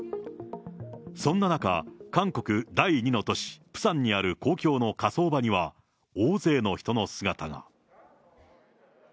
そんな中、韓国第２の都市プサンにある公共の火葬場には、大勢の人の姿が。